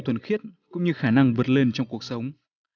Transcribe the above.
thuần khiết cũng như khả năng vượt lên trong cuộc sống